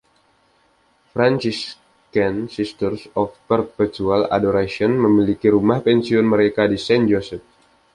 Franciscan Sisters of Perpetual Adoration memiliki rumah pensiun mereka di Saint Joseph.